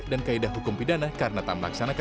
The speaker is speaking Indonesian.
dan kaedah hukum yang telah diperlukan oleh kpu dki jakarta